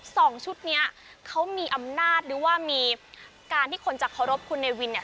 สองชุดเนี้ยเขามีอำนาจหรือว่ามีการที่คนจะเคารพคุณเนวินเนี่ย